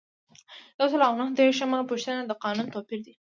یو سل او نهه دیرشمه پوښتنه د قانون توپیر دی.